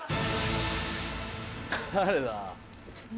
誰だ？